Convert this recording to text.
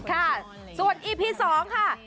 ค่ะส่วนอีพี๒ค่ะ